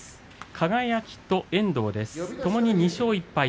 輝と遠藤、ともに２勝１敗。